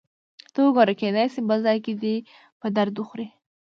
ته وګوره، کېدای شي بل ځای کې دې په درد وخوري.